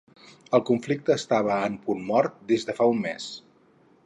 El conflicte estava en punt mort des de fa un mes